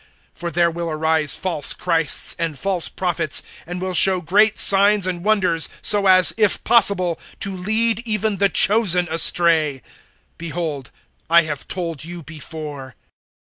(24)For there will arise false Christs, and false prophets, and will show great signs and wonders; so as, if possible, to lead even the chosen astray. (25)Behold, I have told you before.